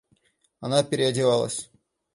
Она переодевалась.